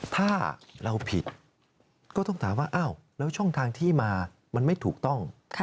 ถ้าเราผิดก็ต้องถามว่าอ้าวแล้วช่องทางที่มามันไม่ถูกต้อง